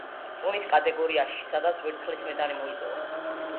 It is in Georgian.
წონით კატეგორიაში, სადაც ვერცხლის მედალი მოიპოვა.